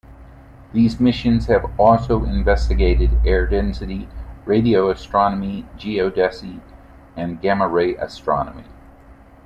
These missions have also investigated air density, radio astronomy, geodesy, and gamma ray astronomy.